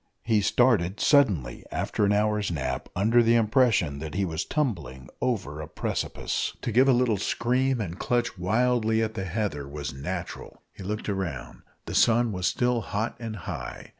He started suddenly after an hour's nap, under the impression that he was tumbling over a precipice. To give a little scream and clutch wildly at the heather was natural. He looked round. The sun was still hot and high.